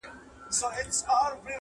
شمع هر څه ویني راز په زړه لري؛